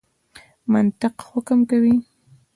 منطق حکم کوي.